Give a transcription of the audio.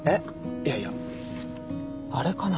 いやいやあれかな？